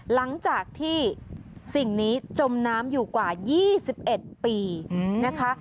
หลังจากที่สิ่งนี้จมน้ำอยู่กว่า๒๑ปีนะคะ